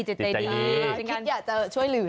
คิดอยากจะช่วยเหลือ